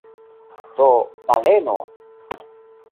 Do – baleno!